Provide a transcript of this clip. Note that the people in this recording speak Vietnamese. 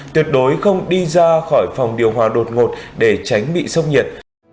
tuyệt đối không đi ra khỏi phòng điều hòa đột ngột để tránh bị sốc nhiệt